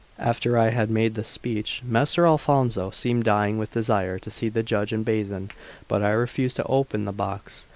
After I had made this speech, Messer Alfonso seemed dying with desire to see the jug and basin, but I refused to open the box.